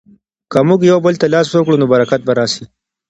که موږ یو بل ته لاس ورکړو نو برکت به راسي.